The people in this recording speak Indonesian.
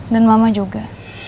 dan mama juga